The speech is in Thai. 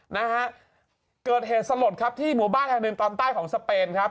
นะฮะเกิดเหตุสลดครับที่หมู่บ้านแห่งหนึ่งตอนใต้ของสเปนครับ